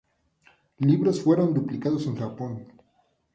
Libros fueron publicados en Japón.